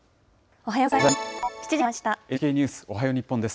おはようございます。